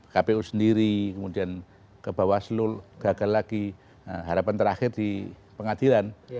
kpu sendiri kemudian ke bawaslu gagal lagi harapan terakhir di pengadilan